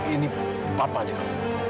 ini papa deli